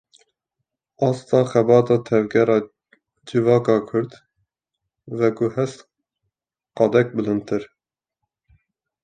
Asta xebata tevgera civaka kurd, veguhest qadek bilindtir